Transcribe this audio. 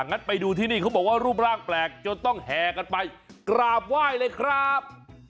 งั้นไปดูที่นี่เขาบอกว่ารูปร่างแปลกจนต้องแห่กันไปกราบไหว้เลยครับ